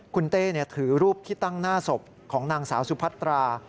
คุณเต้ถือรูปที่ตั้งหน้าศพของนางสาวสุพัตรา